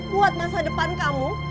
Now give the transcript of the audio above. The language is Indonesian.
buat masa depan kamu